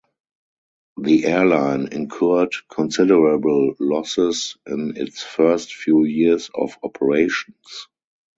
The airline incurred considerable losses in its first few years of operations.